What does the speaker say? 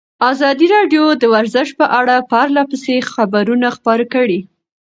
ازادي راډیو د ورزش په اړه پرله پسې خبرونه خپاره کړي.